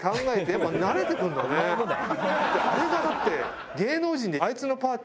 あれがだって。